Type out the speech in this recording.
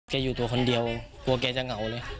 อยู่ตัวคนเดียวกลัวแกจะเหงาเลย